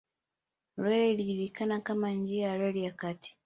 Reli ilijulikana kama njia ya reli ya kati